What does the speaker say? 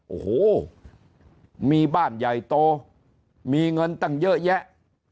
โอ้โหมีบ้านใหญ่โตมีเงินตั้งเยอะแยะ